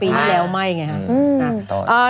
ปีนี้แล้วไม่ไงฮะ